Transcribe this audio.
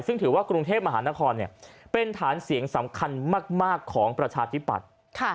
ซึ่งถือว่ากรุงเทพมหานครเป็นฐานเสียงสำคัญมากของประชาธิปัตย์